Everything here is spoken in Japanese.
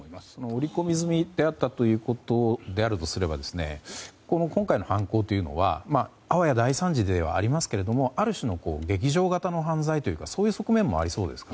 織り込み済みであったということであるとすれば今回の犯行はあわや大惨事ではありますがある種の劇場型の犯罪という側面もありそうですか？